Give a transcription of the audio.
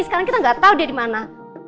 sekarang kita gak tau dia dimana